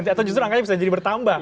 atau justru angkanya bisa jadi bertambah